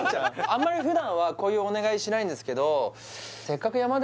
あんまり普段はこういうお願いしないんですけど